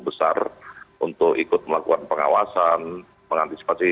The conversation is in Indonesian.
besar untuk ikut melakukan pengawasan mengantisipasi